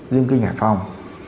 dân kinh hải phòng